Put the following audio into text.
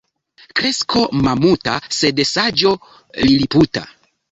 Kresko mamuta, sed saĝo liliputa.